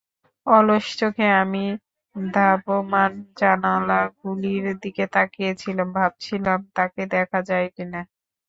অলস চোখে আমি ধাবমান জানালাগুলির দিকে তাকিয়ে ছিলাম, ভাবছিলাম তাকে দেখা যায় কিনা।